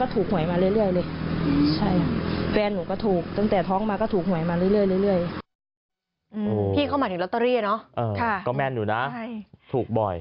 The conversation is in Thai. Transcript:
ถูกบอกนะครับ